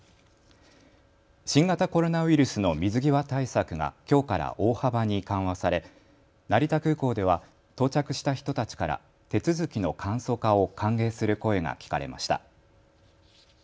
新型コロナウイルスの水際対策がきょうから大幅に緩和され成田空港では到着した人たちから手続きの簡素化を歓迎する声が聞かれました。